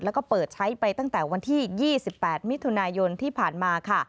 แล้วก็เปิดใช้ไปตั้งแต่วันที่๒๘มิถุนายนที่ผ่านมาค่ะ